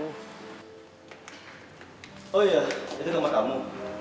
oh iya itu nama kamu